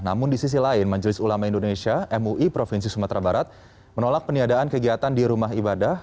namun di sisi lain majelis ulama indonesia mui provinsi sumatera barat menolak peniadaan kegiatan di rumah ibadah